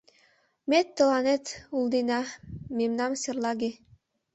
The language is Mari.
Ме тыланет улдена, мемнам серлаге...